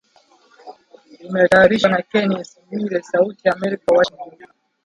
Imetayarishwa na Kennes Bwire sauti ya america Washington